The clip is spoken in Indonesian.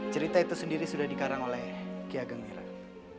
cerita itu sendiri sudah dikarang oleh ki ageng ngerang